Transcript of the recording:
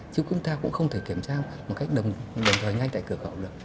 chứ chúng ta cũng không thể kiểm tra một cách đồng thời ngay tại cửa khẩu được